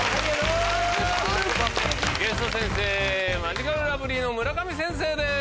ゲスト先生マヂカルラブリーの村上先生です。